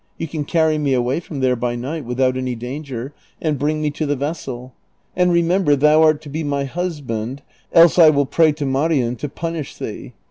You can carry me away from there by night without any danger, and bring me to the vessel. And remember thou art to be my husbantl, else I will pray to Marien to punish thee.